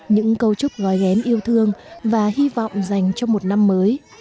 những câu chúc gói ghén yêu thương và hy vọng dành cho một năm mới